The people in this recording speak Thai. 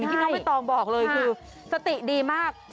มายตอบบอกเลยคือสติดีมาก